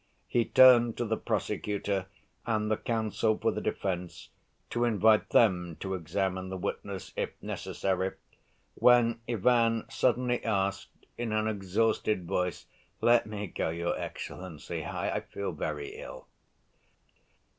He turned to the prosecutor and the counsel for the defense to invite them to examine the witness, if necessary, when Ivan suddenly asked in an exhausted voice: "Let me go, your excellency, I feel very ill."